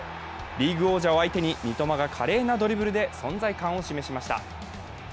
リーグ王者を相手に、三笘が華麗なドリブルで存在感を示しました。